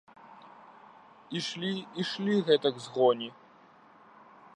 Ішлі, ішлі гэтак з гоні.